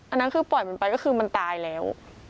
อันนั้นคือปล่อยมันไปก็คือมันตายแล้ว